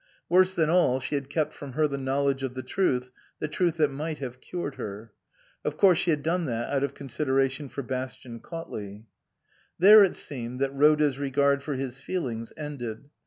Worse than all, she had kept from her the knowledge of the truth the truth that might have cured her. Of course she had done that out of consideration for Bastian Cautley. There it seemed that Rhoda's regard for his feelings ended.